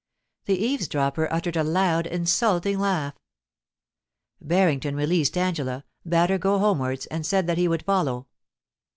The eavesdropper uttered a loud, insulting laugh. Barrington released Angela, bade her go homewards, and said that he would follow.